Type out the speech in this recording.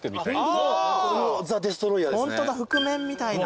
ホントだ覆面みたいな。